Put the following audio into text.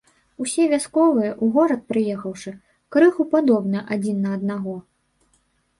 Усе вясковыя, у горад прыехаўшы, крыху падобны адзін на аднаго.